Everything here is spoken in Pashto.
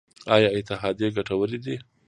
آیا اتحادیې ګټورې دي؟